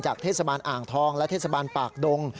เทศบาลอ่างทองและเทศบาลปากดง